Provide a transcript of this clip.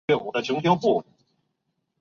深圳房价这么高，我哪儿买得起？